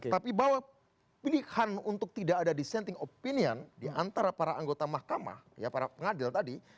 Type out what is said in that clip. tapi bahwa pilihan untuk tidak ada dissenting opinion diantara para anggota mahkamah para pengadil tadi